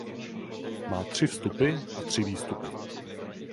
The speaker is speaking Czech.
Má tři vstupy a tři výstupy.